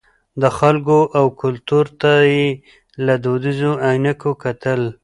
د خلکو او کلتور ته یې له دودیزو عینکو کتل.